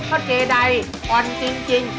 พ่อเจดัยอ่อนจริง